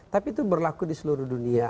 tapi itu berlaku di seluruh dunia